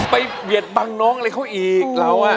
เบียดบังน้องอะไรเขาอีกเรา